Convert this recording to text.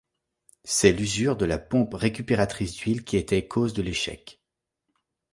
C'est l'usure de la pompe récupératrice d'huile qui était cause de l'échec.